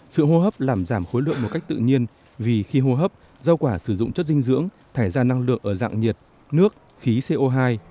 sự hô hấp làm giảm khối lượng một cách tự nhiên vì khi hô hấp rau quả sử dụng chất dinh dưỡng thải ra năng lượng ở dạng nhiệt nước khí co hai